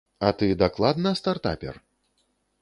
А ты дакладна стартапер?